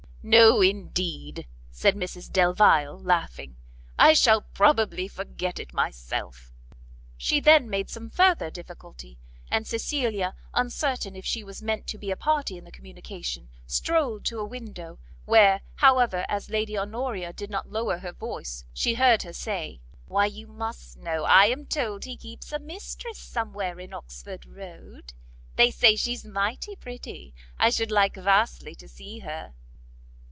"No indeed," said Mrs Delvile laughing, "I shall probably forget it myself." She then made some further difficulty, and Cecilia, uncertain if she was meant to be a party in the communication, strolled to a window; where, however, as Lady Honoria did not lower her voice, she heard her say "Why you must know I am told he keeps a mistress somewhere in Oxford Road. They say she's mighty pretty; I should like vastly to see her."